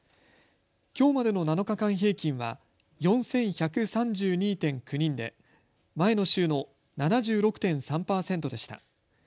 きょうまでの７日間平均は４１３２．９人で前の週の７６．３％でした。